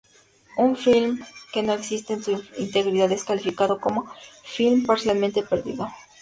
Un film que no existe en su integridad es calificado como "film parcialmente perdido".